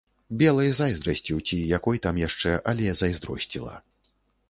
Белай зайздрасцю ці якой там яшчэ, але зайздросціла.